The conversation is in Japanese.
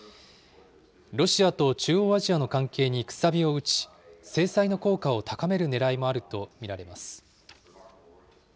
ロシアと中央アジアの関係にくさびを打ち、制裁の効果を高めるねらいもあると見られます。